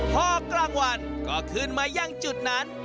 พอกลางวันก็ขึ้นมายังจุดนั้น